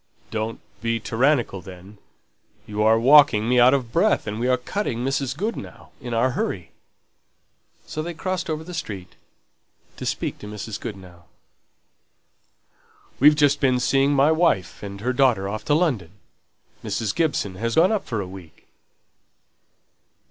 "Don't be tyrannical, then. You're walking me out of breath, and we're cutting Mrs. Goodenough, in our hurry." So they crossed over the street to speak to Mrs. Goodenough. "We've just been seeing my wife and her daughter off to London. Mrs. Gibson has gone up for a week!"